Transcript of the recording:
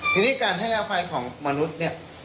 ทีนี้การให้อภัยของมนุษย์เนี่ย